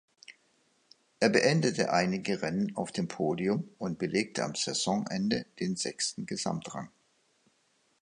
Er beendete einige Rennen auf dem Podium und belegte am Saisonende den sechsten Gesamtrang.